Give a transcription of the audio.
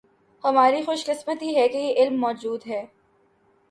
ہماری خوش قسمتی ہے کہ یہ علم موجود ہے